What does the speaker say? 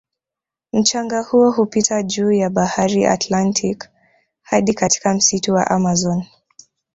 Mchanga huo hupita juu ya bahari Atlantic hadi katika msitu wa amazon